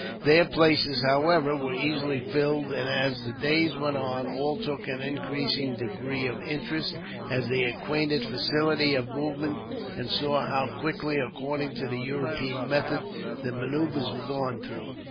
Their places, however, were easily filled, and as the days went on, all took an increasing degree of interest, as they acquired facility of movement, and saw how quickly, according to the European methods, manoeuvres were gone through.